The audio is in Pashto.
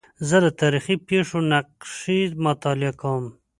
زه د تاریخي پېښو نقشې مطالعه کوم.